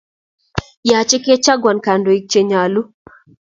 Yache kochangwan kandoik che nyalu